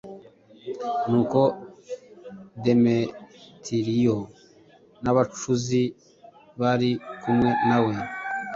Nuko Demetiriyo n’abacuzi bari kumwe na we,